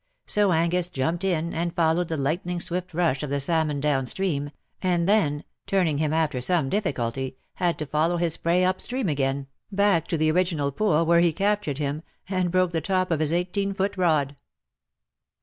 So Angus jumped in_, and followed the lightning swift rush of the salmon down stream, and then, turning him after some difficulty, had to follow his prey up stream again, back to the original B 2 4 ^^ LET ME AND MY PASSIONATE LOVE GO BY." pool,, where he captured him, and broke the top of his eighteen foot rod.